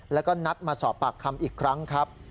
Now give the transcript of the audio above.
แล้วก็นัดมาสอบปากคำอีกครั้งครับ